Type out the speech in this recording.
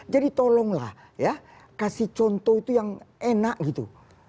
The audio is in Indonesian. jadi tolonglah ya kasih contoh itu yang enak gitu